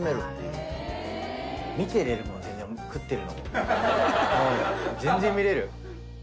うん全然見れる。